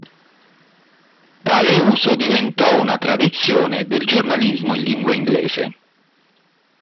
Tale uso diventò una tradizione del giornalismo in lingua inglese.